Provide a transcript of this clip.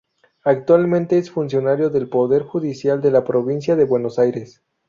Actualmente es funcionario del Poder Judicial de la Provincia de Buenos Aires.